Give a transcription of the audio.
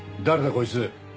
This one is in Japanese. こいつ。